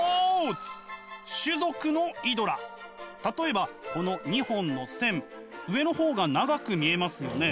例えばこの２本の線上の方が長く見えますよね？